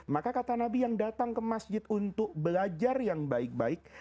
maka kata nabi yang datang ke masjid untuk belajar yang baik baik